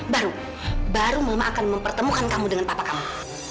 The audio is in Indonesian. baru baru mama akan mempertemukan kamu dengan papa kamu